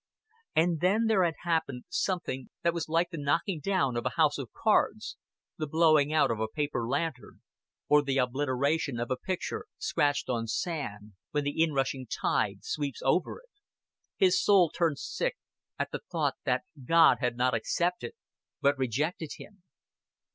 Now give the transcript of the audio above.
And then there had happened something that was like the knocking down of a house of cards, the blowing out of a paper lantern, or the obliteration of a picture scratched on sand when the inrushing tide sweeps over it. His soul turned sick at the thought that God had not accepted, but rejected him.